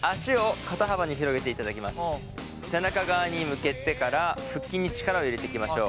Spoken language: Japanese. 背中側に向けてから腹筋に力を入れていきましょう。